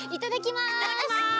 いただきます！